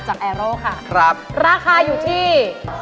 แอร์โร่ค่ะครับราคาอยู่ที่